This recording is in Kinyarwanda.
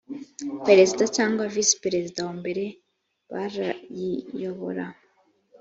perezida cyangwa visi perezida wa mbere barayiyobora